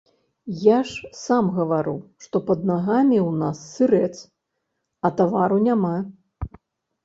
Я ж сам гавару, што пад нагамі ў нас сырэц, а тавару няма.